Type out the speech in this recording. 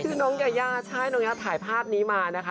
น้องยายาใช่น้องยาถ่ายภาพนี้มานะคะ